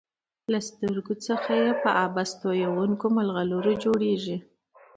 له سترګو څخه یې په عبث تویېدونکو مرغلرو نه جوړیږي.